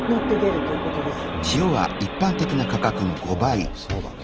おそうだね。